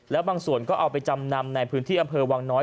แล้วบางส่วนก็เอาไปจำนำในพื้นที่อำเภอวังน้อย